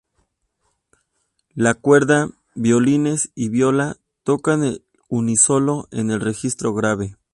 La cuerda, violines y viola, tocan al unísono en el registro grave.